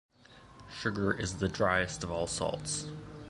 Sugar is the driest of all salts.